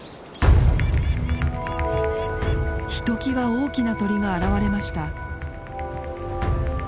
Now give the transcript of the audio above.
ひときわ大きな鳥が現れました。